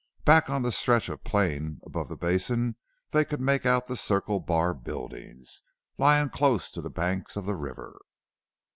Back on the stretch of plain above the basin they could make out the Circle Bar buildings, lying close to the banks of the river.